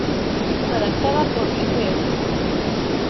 Redactada por Fr.